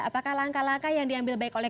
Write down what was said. apakah langkah langkah yang diambil baik oleh